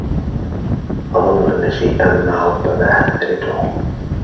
أظن أن شيئا ما ربما حدث لتوم.